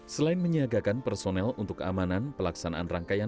selain menyiagakan personel untuk keamanan pelaksanaan rangkaian